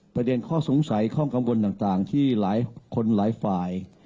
ประเด็นข้อสงสัยข้อกังวลต่างที่หลายคนหลายฝ่าย